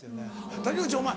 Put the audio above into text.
竹内お前